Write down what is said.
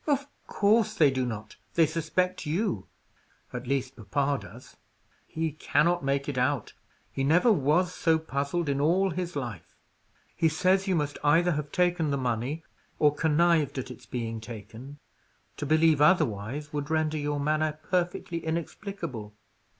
"Of course they do not. They suspect you. At least, papa does. He cannot make it out; he never was so puzzled in all his life. He says you must either have taken the money, or connived at its being taken: to believe otherwise, would render your manner perfectly inexplicable.